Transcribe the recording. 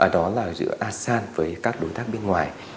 đó là giữa asean với các đối tác bên ngoài